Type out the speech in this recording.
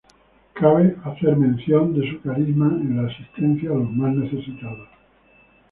Cabe hacer mención de su carisma en la asistencia a los más necesitados.